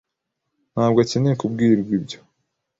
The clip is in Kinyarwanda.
ntabwo akeneye kubwirwa ibyo.